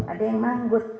ada yang manggus